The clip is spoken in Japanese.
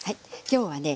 今日はね